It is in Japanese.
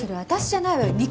私じゃないわよ